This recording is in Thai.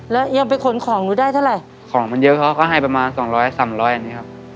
แล้วยังไปขนของหนูได้เท่าไหร่ของมันเยอะเขาก็ให้ประมาณสองร้อยสามร้อยอันนี้ครับ